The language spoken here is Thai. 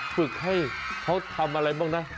ฝึกให้เขาทำอะไรบ้างนะ